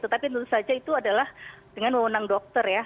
tetapi tentu saja itu adalah dengan mewenang dokter ya